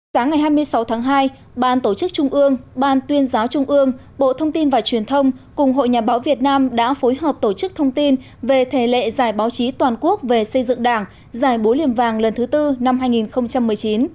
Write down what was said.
sáng ngày hai mươi sáu tháng hai ban tổ chức trung ương ban tuyên giáo trung ương bộ thông tin và truyền thông cùng hội nhà báo việt nam đã phối hợp tổ chức thông tin về thể lệ giải báo chí toàn quốc về xây dựng đảng giải bú liềm vàng lần thứ tư năm hai nghìn một mươi chín